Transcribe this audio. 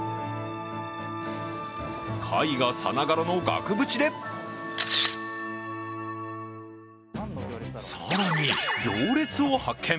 絵画さながらの額縁で更に、行列を発見。